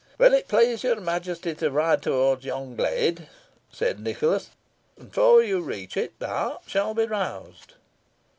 "Will it please your Majesty to ride towards yon glade?" said Nicholas, "and, before you reach it, the hart shall be roused."